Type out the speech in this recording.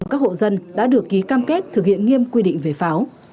một trăm linh hộ dân đã được ký cam kết thực hiện nghiêm quy định về pháo